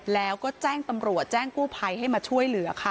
แล้วก็แจ้งตำรวจแจ้งกู้ภัยให้มาช่วยเหลือค่ะ